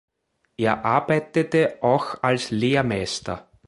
Er arbeitete auch als Lehrmeister.